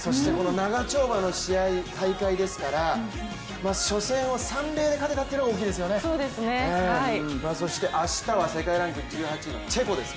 長丁場の試合、大会ですから、初戦を３−０で勝てたっていうのは大きいですよねそして明日は世界ランキング１８位のチェコです。